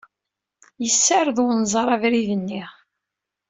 Yessared unẓar abrid-nni.